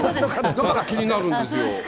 だから気になるんですよ。